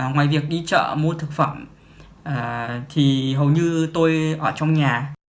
ngoài việc đi chợ mua thực phẩm thì hầu như tôi ở trong nhà